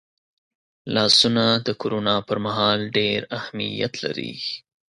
لاسونه د کرونا پرمهال ډېر اهمیت لري